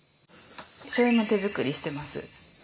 しょうゆも手作りしてます。